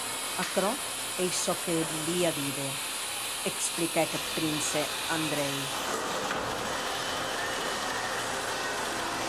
Aquerò ei çò que vos volia díder, expliquèc eth prince Andrei.